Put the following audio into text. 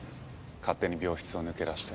勝手に病室を抜け出して。